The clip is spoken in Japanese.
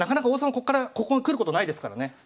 こっからここに来ることないですからね。